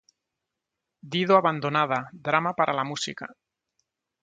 Dido abandonada, drama para la música.